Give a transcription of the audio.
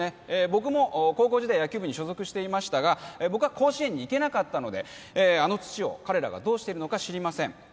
僕も高校時代野球部に所属していましたが僕は甲子園に行けなかったのであの土を彼らがどうしているのか知りません